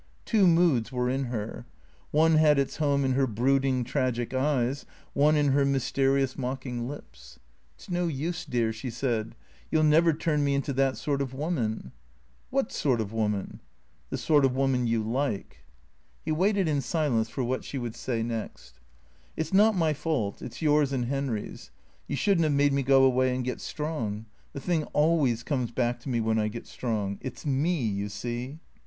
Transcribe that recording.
Two moods were in her; one had its home in her brooding, tragic eyes, one in her mys terious, mocking lips. " It 's no use, dear," she said. " You '11 never turn me into that sort of woman ?"" What sort of woman ?"" The sort of woman you like." He waited in silence for what she would say next. " It 's not my fault, it 's yours and Henry's. You should n't have made me go away and get strong. The thing always comes back to me when I get strong. It 's me, you see."